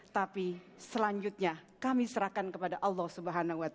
tapi selanjutnya kami serahkan kepada allah swt